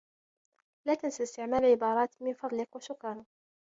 لا تنس استعمال عبارات "من فضلك" و "شكرا".